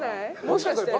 もしかして。